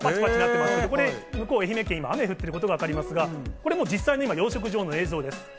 愛媛県は今、雨が降っていることがわかりますが、実際の養殖場の映像です。